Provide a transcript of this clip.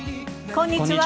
こんにちは。